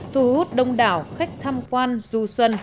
thu hút đông đảo khách tham quan du xuân